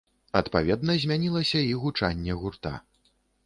Адпаведна змянілася і гучанне гурта.